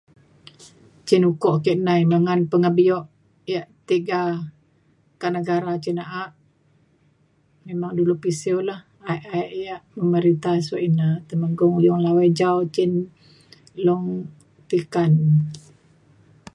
cin ukok ke nai ngan pengebio yak tiga kak negara cin na’a memang dulu pisiu lah i- yak mereta siok ina Temenggung Uyong Lawai Jau cin Long Tika na